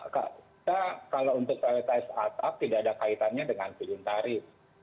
kita kalau untuk plts asap tidak ada kaitannya dengan fit in tarif